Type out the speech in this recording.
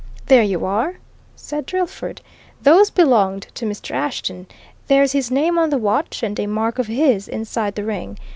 "There you are!" said Drillford. "Those belonged to Mr. Ashton; there's his name on the watch, and a mark of his inside the ring.